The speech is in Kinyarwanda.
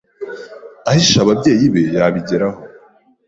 ahisha ababyeyi be yabigeraho